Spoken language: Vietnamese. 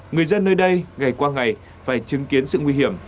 người dân nơi đây ngày qua ngày phải chứng kiến sự nguy hiểm